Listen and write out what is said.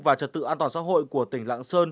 và trật tự an toàn xã hội của tỉnh lạng sơn